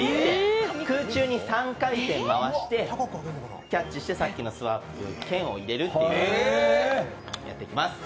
空中に３回転してキャッチしてさっきのスワップけんを入れるっていうのをやっていきます。